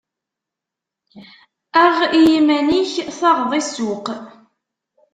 Aɣ i yiman-ik, taɣeḍ i ssuq.